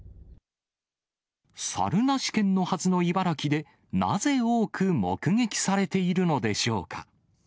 猿なし県のはずの茨城で、なぜ多く目撃されているのでしょうか。